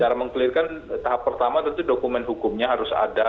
cara mengkelirkan tahap pertama tentu dokumen hukumnya harus ada